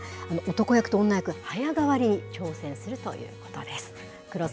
男役と女役、早変わりに挑戦するということです。